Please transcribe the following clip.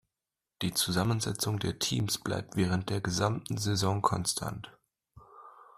Die Zusammensetzung der Teams bleibt während der gesamten Saison konstant.